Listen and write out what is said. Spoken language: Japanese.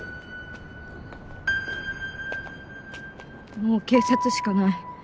もう警察しかない。